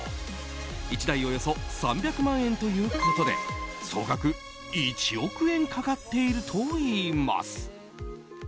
１台およそ３００万円ということで総額１億円かかっているといいます。